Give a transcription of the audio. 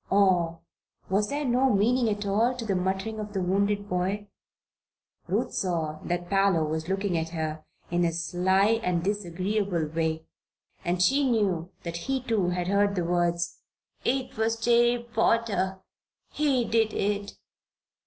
Or, was there no meaning at all to the muttering of the wounded boy? Ruth saw that Parloe was looking at her in his sly and disagreeable way, and she knew that he, too, had heard the words. "It was Jabe Potter he did it!"